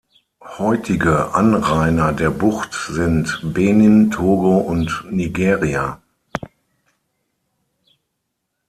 Heutige Anrainer der Bucht sind Benin, Togo und Nigeria.